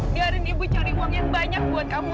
biarin ibu cari uang yang banyak buat kamu